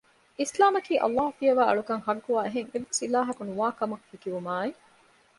އިސްލާމަކީ، ﷲ ފިޔަވައި އަޅުކަން ޙައްޤުވާ އެހެން އެއްވެސް އިލާހަކު ނުވާ ކަމަށް ހެކިވުމާއި